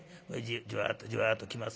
ジュワッとジュワッときますわ。